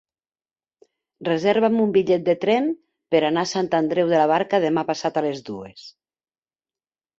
Reserva'm un bitllet de tren per anar a Sant Andreu de la Barca demà passat a les dues.